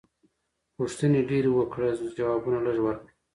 پوښتنې ډېرې وکړه ځوابونه لږ ورکړه.